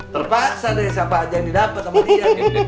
terpaksa deh siapa aja yang didapet sama dia